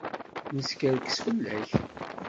Neskerkes fell-ak.